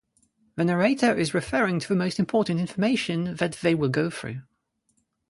The narrator is referring to the most important information that they will go through.